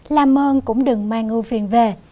làm mơn cũng đừng mang ưu phiền về